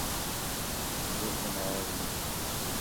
Бирок мен нааразы эмесмин.